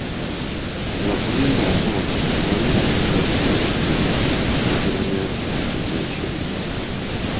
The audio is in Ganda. Tebakulimbanga nti waliwo omuntu akola ensobi n’atamanya nti akoze nsobi.